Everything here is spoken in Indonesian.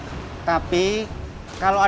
tapi kalau aku nanti aku kerja aku akan kerja lagi pak